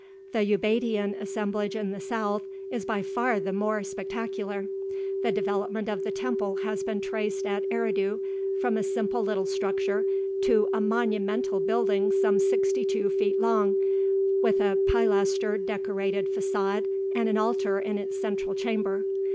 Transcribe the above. The Ubaidian assemblage in the south is by far the more spectacular. The development of the temple has been traced at Eridu from a simple little structure to a monumental building some 62 feet long, with a pilaster decorated façade and an altar in its central chamber.